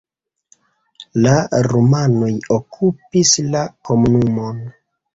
La rumanoj okupis la komunumon.